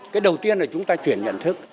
cái đầu tiên là chúng ta chuyển nhận thức